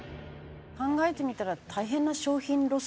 考えてみたら大変な商品ロスですね。